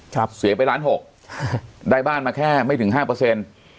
เสียไปล้านหกได้บ้านมาแค่ไม่ถึงห้าเปอร์เซ็นต์